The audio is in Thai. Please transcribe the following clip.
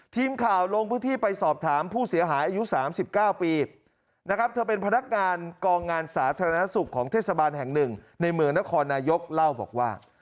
ทีมข่าวลงพื้นที่ไปสอบถามผู้เสียหายอายุ๓๙ปีนะครับเธอเป็นพนักงานกองงานสาธารณสุขของเทศบาลแห่งหนึ่งในเมืองนครนายกเล่าบอกว่า